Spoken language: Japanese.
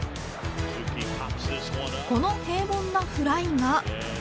この平凡なフライが。